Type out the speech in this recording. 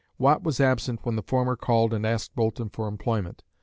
Watt was absent when the former called and asked Boulton for employment.